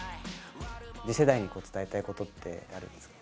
次世代に伝えたいことってあるんですか？